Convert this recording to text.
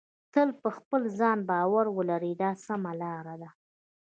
تل په خپل ځان باور ولرئ دا سمه لار ده.